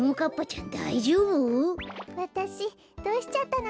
かっぱちゃん